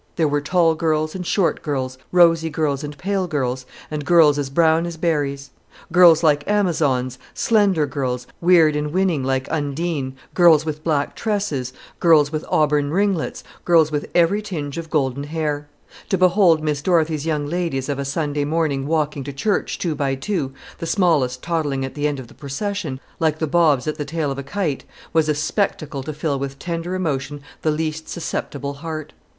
There were tall girls and short girls, rosy girls and pale girls, and girls as brown as berries; girls like Amazons, slender girls, weird and winning like Undine, girls with black tresses, girls with auburn ringlets, girls with every tinge of golden hair. To behold Miss Dorothy's young ladies of a Sunday morning walking to church two by two, the smallest toddling at the end of the procession, like the bobs at the tail of a kite, was a spectacle to fill with tender emotion the least susceptible heart.